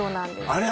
あれ